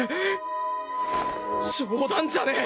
冗談じゃねえ！